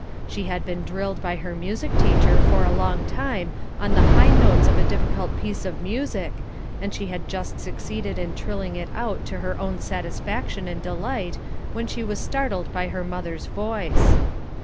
She had been drilled by her music teacher for a long time on the high notes of a difficult piece of music, and she had just succeeded in trilling it out to her own satisfaction and delight, when she was startled by her mother's voice.